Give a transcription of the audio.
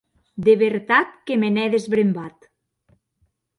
De vertat que me n’è desbrembat.